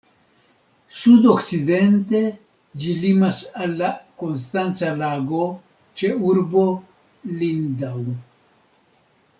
Sud-okcidente ĝi limas al la Konstanca Lago, ĉe urbo Lindau.